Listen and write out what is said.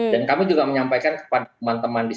dan kami juga menyampaikan kepada teman teman di sini